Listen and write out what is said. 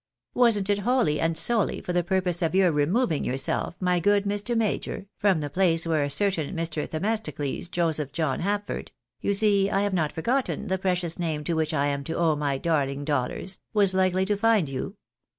Wasn't it wholly and solely for the purpose of your removing yourself, my good Mr. Major, from the place where a certain Mr. Themistocles Joseph John Hapford (you see I have not forgotten the precious name to which I am to owe my darling dollars) was likely to find you